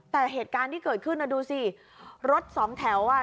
แต่เหตุการณ์ที่เกิดขึ้นน่ะดูสิรถสองแถวอ่ะ